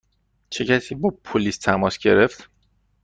چه کسی با پلیس تماس گرفت؟